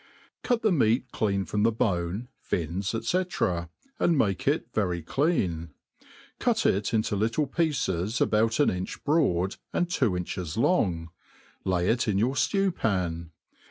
CUT the meat clean from the bone, fins, &c. and make it very clean. Cut it into little pieces, about an inch broad, and two inches long» lay it in^ your ftew pan.